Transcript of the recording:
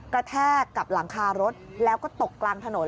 แทกกับหลังคารถแล้วก็ตกกลางถนน